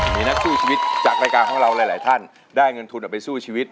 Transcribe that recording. มีนักสู้ชีวิตจากรายการของเราหลายท่านได้เงินทุนเอาไปสู้ชีวิต